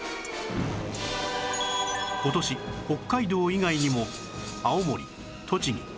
今年北海道以外にも青森栃木新潟